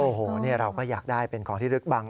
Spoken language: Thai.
โอ้โหเราก็อยากได้เป็นของที่ลึกบัง